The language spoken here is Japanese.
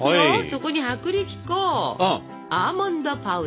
そこに薄力粉アーモンドパウダー。